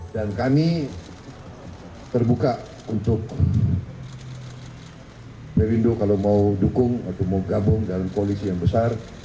dan kami terbuka untuk perindo kalau mau dukung atau mau gabung dalam koalisi yang besar